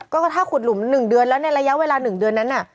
ก็ถ้าขุดหลุม๑เดือนแล้วในระยะเวลา๑เดือนนั้นน่ะ